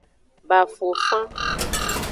Bafofan.